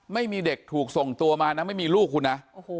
ไม่มีเด็กถูกส่งตัวมานะไม่มีลูกคุณนะ